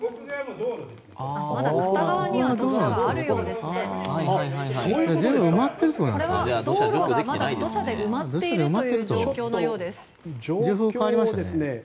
道路が土砂で全部埋まってるという状況のようです。